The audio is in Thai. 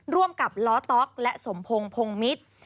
ร่วมกับล้อต๊อกและสมพงศ์พงมิตร